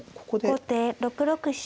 後手６六飛車。